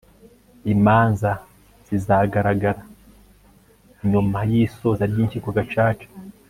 imanza zizagaragara nyuma y'isoza ry'inkiko gacaca